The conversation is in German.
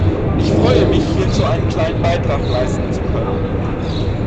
Ich freue mich, hierzu einen kleinen Beitrag leisten zu können.